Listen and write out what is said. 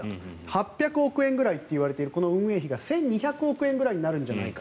８００億円くらいといわれている運営費が１２００億円ぐらいになるんじゃないか。